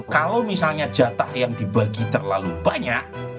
kalau misalnya jatah yang dibagi terlalu banyak